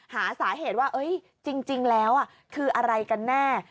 หาสาเหตุว่าจริงแล้วคืออะไรกันแน่